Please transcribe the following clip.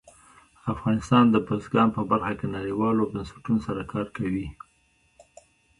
افغانستان د بزګان په برخه کې نړیوالو بنسټونو سره کار کوي.